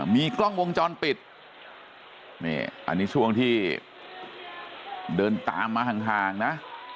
มีกล้องวงจรปิดนี่อันนี้ช่วงที่เดินตามมาห่างนะ